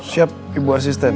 siap ibu asisten